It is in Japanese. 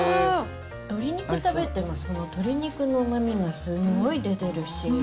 鶏肉食べても、その鶏肉のうまみがすごい出てるし。